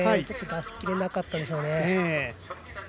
ちょっと出し切れなかったんでしょうね。